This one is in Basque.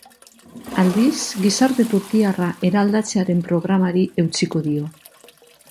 Aldiz, gizarte turkiarra eraldatzearen programari eutsiko dio.